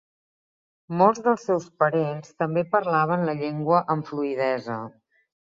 Molts dels seus parents també parlaven la llengua amb fluïdesa.